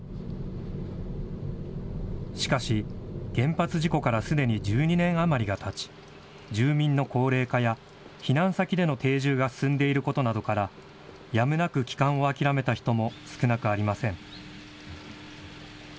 しかし、原発事故からすでに１２年余りがたち、住民の高齢化や、避難先での定住が進んでいることなどから、やむなく帰還を諦めた人も少なくありません。